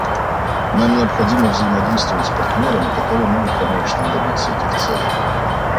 Нам необходимо взаимодействовать с партнерами, которые могут помочь нам добиться этих целей.